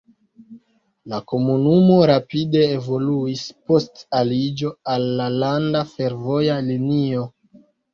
La komunumo rapide evoluis post aliĝo al la landa fervoja linio.